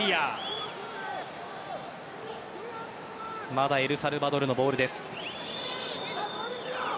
まだエルサルバドルのボールです。